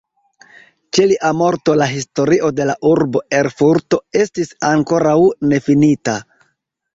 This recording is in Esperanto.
Ĉe lia morto la "Historio de la urbo Erfurto" estis ankoraŭ nefinita.